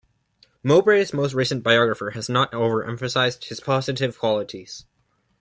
Mowbray's most recent biographer has not overemphasised his positive qualities.